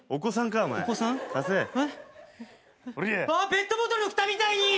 ペットボトルのふたみたいに！